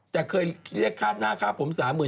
แต่เคยเรียกคาดหน้าคาดผม๓หมื่น